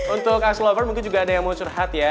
untuk uslover mungkin juga ada yang mau curhat ya